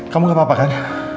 kamu gak apa apa kan